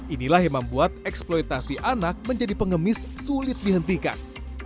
inilah yang membuat eksploitasi anak menjadi pengemis sulit dihentikan